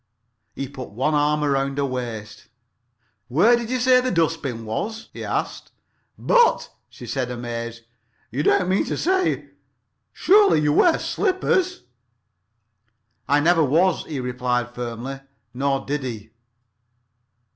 He put one arm round her waist. "Where did you say the dustbin was?" he asked. "But," she said amazed, "you don't mean to say——Surely you wear slippers?" "I never was," he replied firmly. Nor did he.